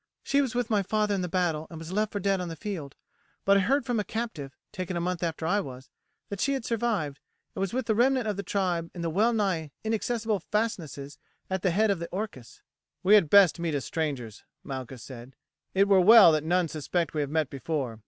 "She was with my father in the battle, and was left for dead on the field; but I heard from a captive, taken a month after I was, that she had survived, and was with the remnant of the tribe in the well nigh inaccessible fastnesses at the head of the Orcus." "We had best meet as strangers," Malchus said. "It were well that none suspect we have met before.